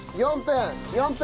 ４分！